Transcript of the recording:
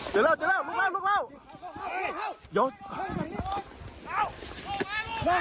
ลุกล่าวลุกล่าวลุกล่าวลุกล่าวลุกล่าวลุกล่าวลุกล่าว